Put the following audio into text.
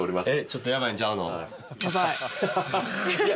ちょっとやばいんちゃうの？